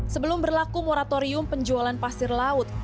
sebelum berlaku moratorium penjualan pasir laut